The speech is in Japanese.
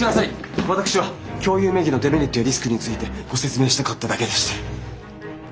私は共有名義のデメリットやリスクについてご説明したかっただけです。